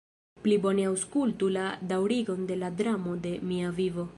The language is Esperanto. Pli bone aŭskultu la daŭrigon de la dramo de mia vivo.